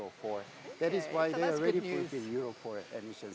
itulah mengapa mereka sudah memiliki